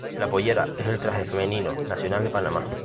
La pollera es el traje femenino nacional de Panamá.